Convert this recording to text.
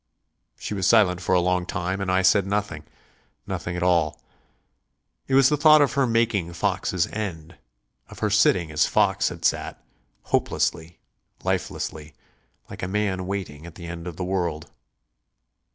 She was silent for a long time and I said nothing nothing at all. It was the thought of her making Fox's end; of her sitting as Fox had sat, hopelessly, lifelessly, like a man waiting at the end of the world.